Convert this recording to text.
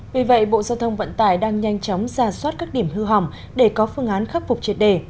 vì vậy bộ giao thông vận tải đang nhanh chóng ra soát các điểm hư hỏng để có phương án khắc phục triệt đề